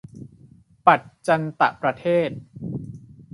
ปัจจันตประเทศ